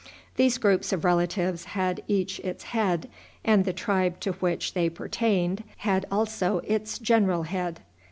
These groups of relatives had each its head, and the tribe to which they pertained had also its general head.